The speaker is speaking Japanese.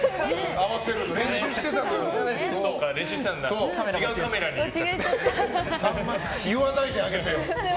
あんまり言わないであげてよ。